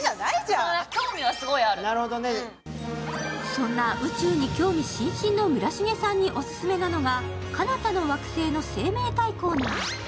そんな宇宙に興味津々の村重さんにオススメなのが、彼方の惑星の生命体コーナー。